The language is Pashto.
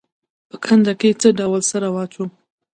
په کنده کې څه ډول سره واچوم؟